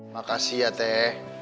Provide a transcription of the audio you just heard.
makasih ya teh